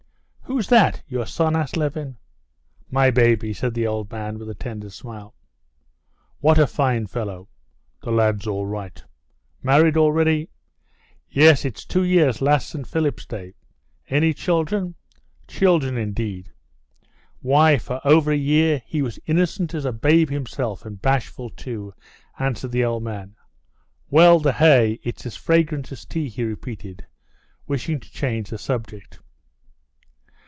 "Who's that? Your son?" asked Levin. "My baby," said the old man with a tender smile. "What a fine fellow!" "The lad's all right." "Married already?" "Yes, it's two years last St. Philip's day." "Any children?" "Children indeed! Why, for over a year he was innocent as a babe himself, and bashful too," answered the old man. "Well, the hay! It's as fragrant as tea!" he repeated, wishing to change the subject.